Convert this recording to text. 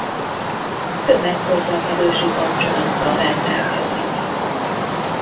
Tömegközlekedési kapcsolattal rendelkezik.